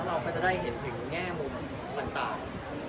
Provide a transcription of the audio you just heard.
เราก็จะได้เห็นถึงแง่มุมต่าง